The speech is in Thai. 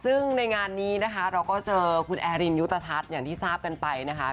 ซึ่งในงานนี้นะคะเราก็เจอคุณแอรินยุตทัศน์อย่างที่ทราบกันไปนะคะ